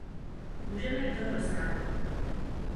Pomůžeme jim toho dosáhnout.